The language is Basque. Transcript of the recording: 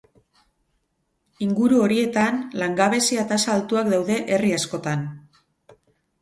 Inguru horietan, langabezia tasa altuak daude herri askotan.